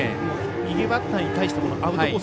右バッターに対してアウトコース